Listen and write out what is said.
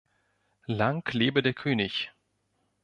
Lang lebe der König